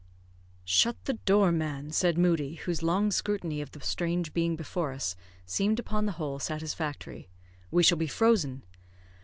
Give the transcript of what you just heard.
"Shut the door, man," said Moodie, whose long scrutiny of the strange being before us seemed upon the whole satisfactory; "we shall be frozen."